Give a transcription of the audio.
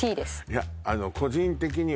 いや